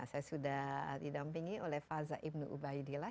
saya sudah didampingi oleh faza ibnu ubaidillah